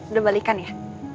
udah balikan ya